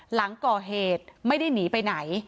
หลังก่อเหตุไม่ได้หนีไปไหน